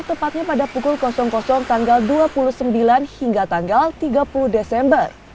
tepatnya pada pukul tanggal dua puluh sembilan hingga tanggal tiga puluh desember